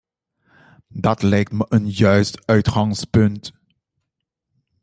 Dat lijkt me een juist uitgangspunt.